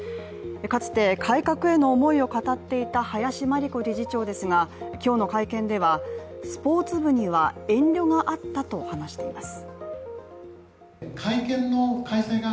かつて改革への思いを語っていた林真理子理事長ですが今日の会見では、スポーツ部には遠慮があったと話しています。